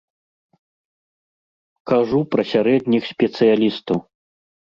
Кажу пра сярэдніх спецыялістаў.